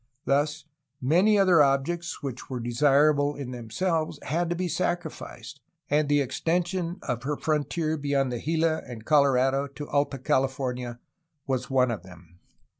Thus, many other objects which were desirable in themselves had to be sacrificed, and the extension of her frontier beyond the Gila and Colorado to Alta California was one of them.